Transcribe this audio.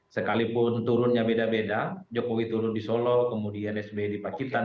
sekalipun turunnya beda beda jokowi turun di solo kemudian sby di pacitan